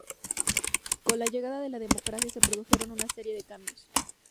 Con la llegada de la democracia, se produjeron una serie de cambios.